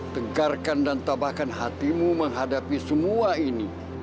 tegarkan dan tambahkan hatimu menghadapi semua ini